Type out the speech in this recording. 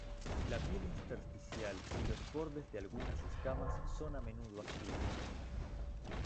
La piel intersticial y los bordes de algunas escamas son a menudo azul.